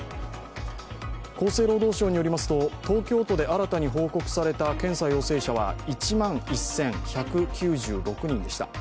厚生労働省によりますと東京都で新たに報告された検査陽性者は１万１１９６人でした。